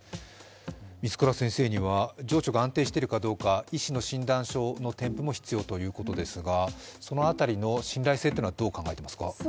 満倉先生には情緒が安定しているかどうか、医師の診断書の添付も必要ということですがその辺りの信頼性というのはどう考えていますか？